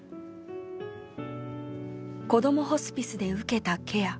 こどもホスピスで受けたケア。